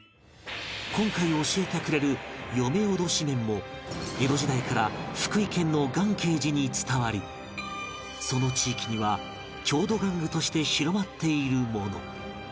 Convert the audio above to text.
今回教えてくれる嫁おどし面も江戸時代から福井県の願慶寺に伝わりその地域には郷土玩具として広まっているもの